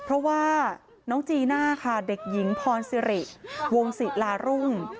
เพราะว่าน้องจีน่าค่ะเด็กหญิงพรสิริวงศิลารุ่ง